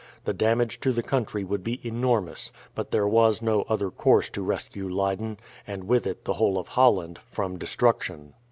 The damage to the country would be enormous; but there was no other course to rescue Leyden, and with it the whole of Holland, from destruction.